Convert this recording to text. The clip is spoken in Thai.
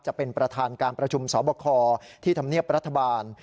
จะเป็นประธานการประชุมสอบคอที่ธรรมเนียบรัฐบาล